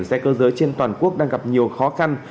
xe cơ giới trên toàn quốc đang gặp nhiều khó khăn